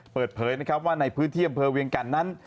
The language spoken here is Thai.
เปิดเผยนะครับว่าในพื้นที่อำเภอเวียงแก่นนั้น